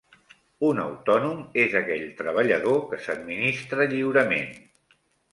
Un autònom és aquell treballador que s'administra lliurement.